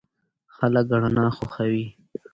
خلک رڼا خوښوي.